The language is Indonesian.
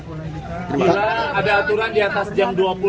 kalau ada aturan di atas jam dua puluh satu